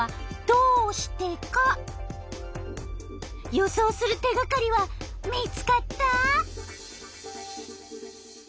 予想する手がかりは見つかった？